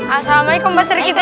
assalamualaikum pak serikiti